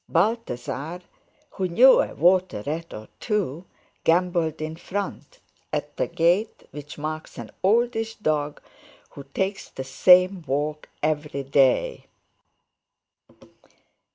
Balthasar, who knew a water rat or two, gambolled in front, at the gait which marks an oldish dog who takes the same walk every day.